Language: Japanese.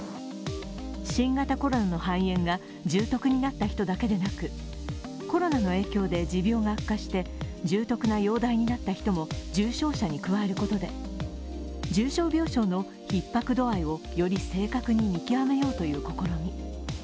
新型コロナの肺炎が重篤になった人だけでなくコロナの影響で持病が悪化して重篤な容体になった人も重症者に加えることで重症病床のひっ迫度合いをより正確に見極めようという試み。